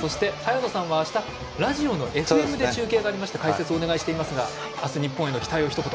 そして、早野さんはラジオのＦＭで中継がありまして解説をお願いしていますが日本への期待をひと言。